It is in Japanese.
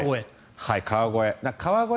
川越。